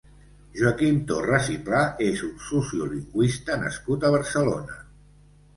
Joaquim Torres i Pla és un sociolingüista nascut a Barcelona.